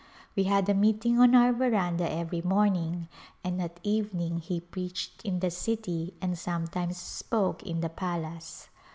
We had a meeting on our veranda every morning and at evening he preached in the city and sometimes spoke in the palace.